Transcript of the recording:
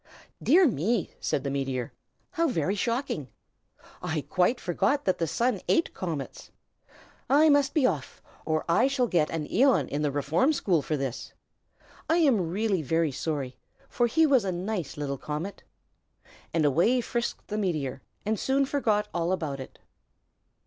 "Dear me!" said the meteor. "How very shocking! I quite forgot that the Sun ate comets. I must be off, or I shall get an æon in the Reform School for this. I am really very sorry, for he was a nice little comet!" And away frisked the meteor, and soon forgot all about it.